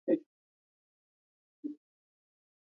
طلا د افغانستان د جغرافیې بېلګه ده.